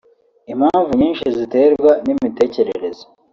Impamvu nyinshi ziterwa n’imitekerereze